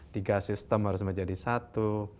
tiga sistem harus menjadi satu